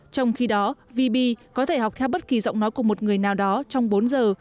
trong khi đó vb có thể học theo bất kỳ giọng nói của một người nào đó trong bốn giờ